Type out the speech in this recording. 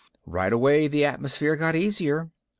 Right away the atmosphere got easier.